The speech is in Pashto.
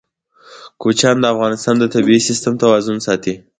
کوچیان د افغانستان د طبعي سیسټم توازن ساتي.